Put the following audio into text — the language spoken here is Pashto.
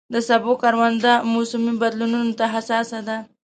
د سبو کرونده موسمي بدلونونو ته حساسه ده.